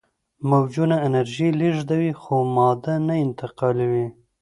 موجونه انرژي لیږدوي خو ماده نه انتقالوي.